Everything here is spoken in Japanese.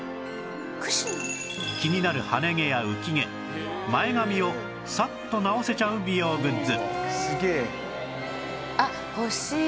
気になるハネ毛や浮き毛前髪をサッと直せちゃう美容グッズ